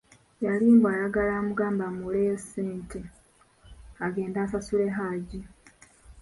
Yali mbu ayagala amugambe amuwoleyo ssente agnda asasule Hajji.